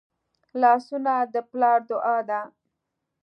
لاسونه د پلار دعا ده